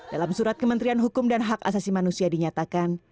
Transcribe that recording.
dalam surat kementerian hukum dan hak asasi manusia dinyatakan